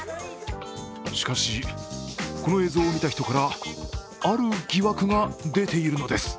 しかしこの映像を見た人からある疑惑が出ているのです。